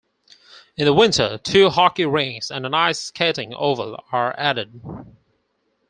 In the winter two hockey rinks and an ice skating oval are added.